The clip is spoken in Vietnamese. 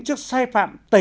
trước sai phạm tẩy chay